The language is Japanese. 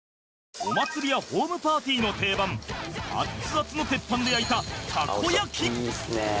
お祭りやホームパーティーの定番アッツアツの鉄板で焼いたたこ焼き。